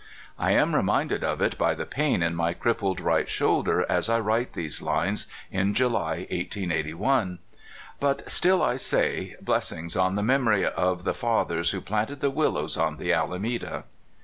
I am reminded of it by the pain in my crippled right shoulder as I write these lines in July, 1881. But still I say, Blessings on the memory of the fa thers who planted the willows on the Alameda